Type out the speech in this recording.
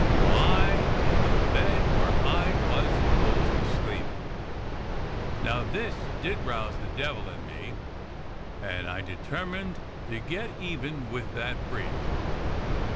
"Why, in the bed where I was supposed to sleep. Now this really did rouse the devil in me, and I deter 184 DOCTOR SYN mined to get even with that priest.